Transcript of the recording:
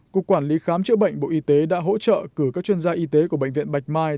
cục quản lý khám chữa bệnh bộ y tế đã hỗ trợ cử các chuyên gia y tế của bệnh viện bạch mai